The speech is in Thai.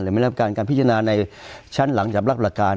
ไม่รับการการพิจารณาในชั้นหลังจากรับหลักการ